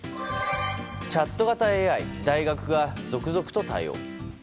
チャット型ＡＩ大学が続々と対応。